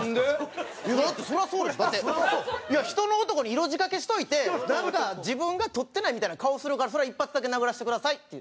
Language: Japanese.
いや人の男に色仕掛けしといてなんか自分がとってないみたいな顔するからそれは「一発だけ殴らせてください」って。